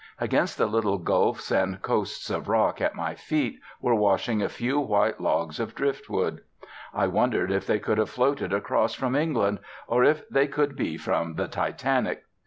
Against the little gulfs and coasts of rock at my feet were washing a few white logs of driftwood. I wondered if they could have floated across from England, or if they could be from the Titanic.